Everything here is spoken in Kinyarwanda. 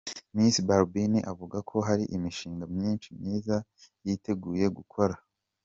Miss Balbine avuga ko hari imishinga myinshi myiza yiteguye gukora.